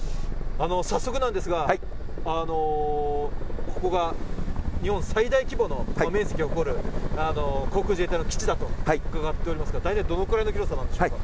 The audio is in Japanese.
早速なんですが、ここが、日本最大規模の面積を誇る航空自衛隊の基地だと伺っておりますが、大体どのくらいの広さなんでしょうか。